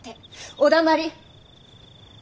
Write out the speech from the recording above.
お黙り！